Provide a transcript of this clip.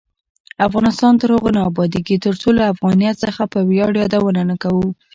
افغانستان تر هغو نه ابادیږي، ترڅو له افغانیت څخه په ویاړ یادونه نه کوو.